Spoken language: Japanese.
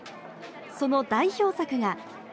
その代表作が。